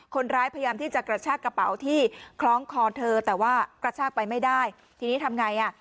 พยายามที่จะกระชากกระเป๋าที่คล้องคอเธอแต่ว่ากระชากไปไม่ได้ทีนี้ทำไงอ่ะ